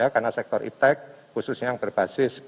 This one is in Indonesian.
karena sektor iptec khususnya yang berbasis